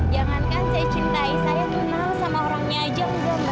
jangankan saya cintai saya kenal sama orangnya aja mba mba